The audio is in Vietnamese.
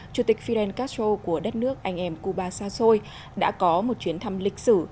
chủ tịch fidel castro của đất nước anh em cuba xa xôi đã có một chuyến thăm lịch sử